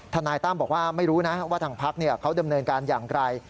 นายตั้มบอกว่าไม่รู้นะว่าทางพักเขาดำเนินการอย่างไร